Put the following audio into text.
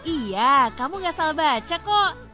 iya kamu gak salah baca kok